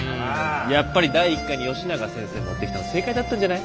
やっぱり第１回に吉永先生持ってきたの正解だったんじゃない？